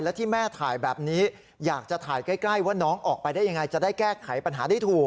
และที่แม่ถ่ายแบบนี้อยากจะถ่ายใกล้ว่าน้องออกไปได้ยังไงจะได้แก้ไขปัญหาได้ถูก